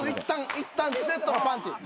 いったんリセットのパンティー。